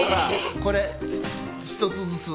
これ１つずつ。